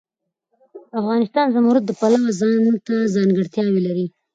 افغانستان د زمرد د پلوه ځانته ځانګړتیا لري.